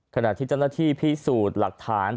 ขณะที่เจ้าหน้าที่พิสูจน์หลักฐาน